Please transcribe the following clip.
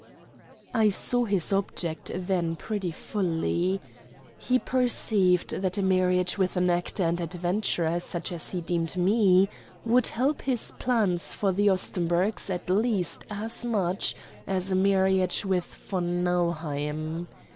I saw his object then pretty fully. He perceived that a marriage with an actor and adventurer such as he deemed me would help his plans for the Ostenburgs at least as much as a marriage with von Nauheim.